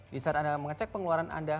di saat anda mengecek pengeluaran anda